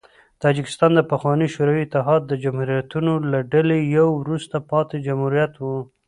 تاجکستان د پخواني شوروي اتحاد د جمهوریتونو له ډلې یو وروسته پاتې جمهوریت و.